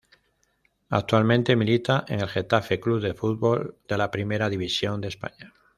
Actualmente milita en el Getafe C. F. de la Primera División de España.